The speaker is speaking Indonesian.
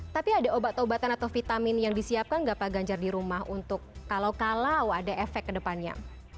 tapi ada obat obatan atau vitamin yang disiapkan nggak pak ganjar di rumah untuk kalau kalau ada efek ke depannya